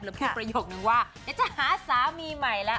แล้วพูดประโยคนึงว่าเดี๋ยวจะหาสามีใหม่แล้ว